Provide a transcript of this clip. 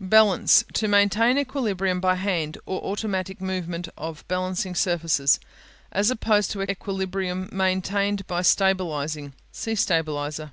Balance To maintain equilibrium by hand or automatic movement of balancing surfaces, as opposed to equilibrium maintained by stabilizing. See "Stabilizer."